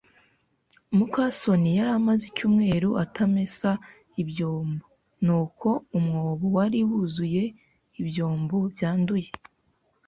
muka soni yari amaze icyumweru atamesa ibyombo, nuko umwobo wari wuzuye ibyombo byanduye.